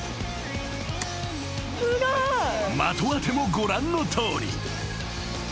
［的当てもご覧のとおり］